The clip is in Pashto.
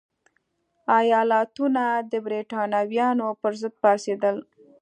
ایالتونه د برېټانویانو پرضد پاڅېدل.